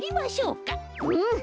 うん！